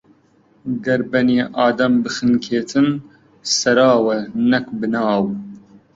گەر بەنی ئادەم بخنکێتن، سەراوە نەک بناو